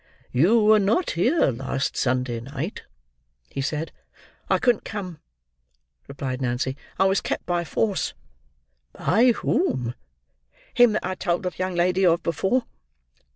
"You were not here last Sunday night," he said. "I couldn't come," replied Nancy; "I was kept by force." "By whom?" "Him that I told the young lady of before."